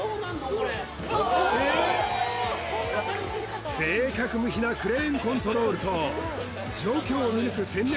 これ正確無比なクレーンコントロールと状況を見抜く戦略